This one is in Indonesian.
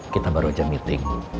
kita baru aja meeting